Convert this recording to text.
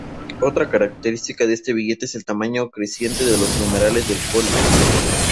Otra característica de este billete es el tamaño creciente de los numerales del folio.